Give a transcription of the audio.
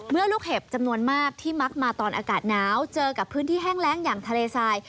ลูกเห็บจำนวนมากที่มักมาตอนอากาศหนาวเจอกับพื้นที่แห้งแรงอย่างทะเลทราย